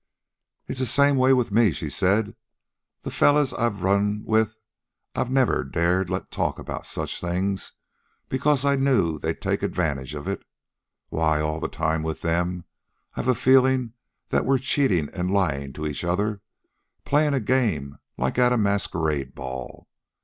"It's the same way with me," she said. "The fellows I've run with I've never dared let talk about such things, because I knew they'd take advantage of it. Why, all the time, with them, I've a feeling that we're cheating and lying to each other, playing a game like at a masquerade ball."